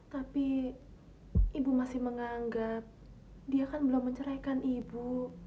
tapi ibu masih menganggap dia kan belum menceraikan ibu